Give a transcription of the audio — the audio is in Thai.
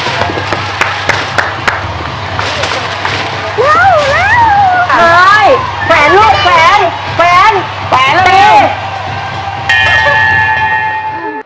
เร็วเร็วมาเลยแขวนลูกแขวนแขวนแขวนแล้วเต้น